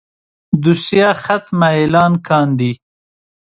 دوسيه ختمه اعلان کاندي.